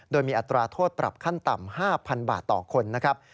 โดยมีอัตราโทษปรับขั้นต่ำ๕๐๐๐บาทต่อคนนะครับ